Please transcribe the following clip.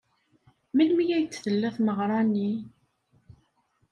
Melmi ay d-tella tmeɣra-nni?